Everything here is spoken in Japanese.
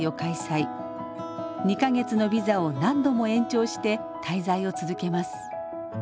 ２か月のビザを何度も延長して滞在を続けます。